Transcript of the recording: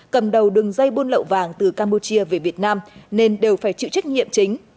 cầm đầu đường dây buôn lậu vàng từ campuchia về việt nam nên đều phải chịu trách nhiệm chính